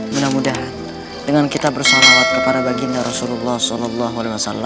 mudah mudahan dengan kita bersholawat kepada baginda rasulullah s a w